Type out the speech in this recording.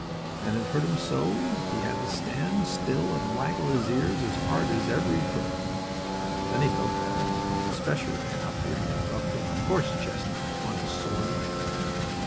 and it hurt him so he had to stand still and waggle his ears as hard as ever he could. Then he felt better, especially after he had rubbed a horse chestnut on his sore leg.